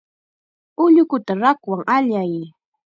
Ullukuta rakwan allay.